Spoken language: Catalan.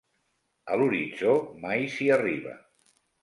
A l'horitzó mai s'hi arriba.